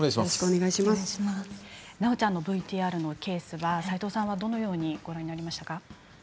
なおちゃんのＶＴＲのケース齋藤さんはどのようにご覧になりましたか。